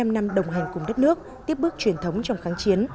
bảy mươi năm năm đồng hành cùng đất nước tiếp bước truyền thống trong kháng chiến